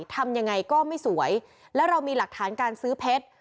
ทำยังไงก็ไม่สวยแล้วเรามีหลักฐานการซื้อเพชร